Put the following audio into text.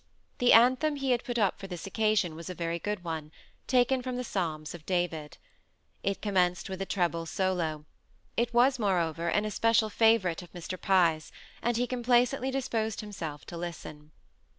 The anthem he had put up for this occasion was a very good one, taken from the Psalms of David. It commenced with a treble solo; it was, moreover, an especial favourite of Mr. Pye's; and he complacently disposed himself to listen.